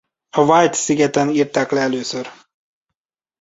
A Wight-szigeten írták le először.